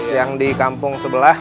yang di kampung sebelah